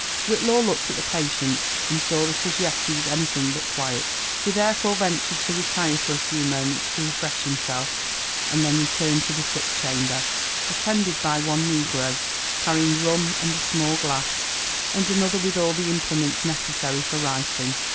Whitlaw looked at the patient, and saw that as yet he was anything but f ufet ; be therefore ventured to relire for a few moments to re * fresh himself, and then returned to thesii^ ehamber, attended by one. negro, carrying run^ and a small glass, and another with all the imple* ments necessary for writing.